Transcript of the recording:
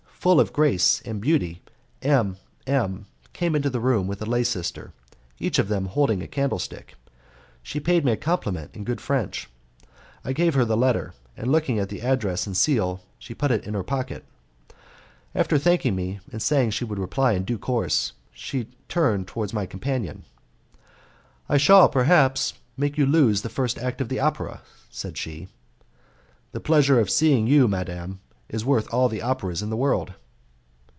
Full of grace and beauty, M M came into the room with a lay sister, each of them holding a candlestick. She paid me a compliment in good French; I gave her the letter, and looking at the address and the seal she put it in her pocket. After thanking me and saying she would reply in due course, she turned towards my companion: "I shall, perhaps, make you lose the first act of the opera," said she. "The pleasure of seeing you, madam, is worth all the operas in the world."